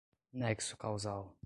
nexo causal